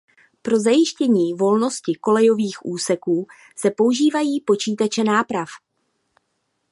Pro zajištění volnosti kolejových úseků se používají počítače náprav.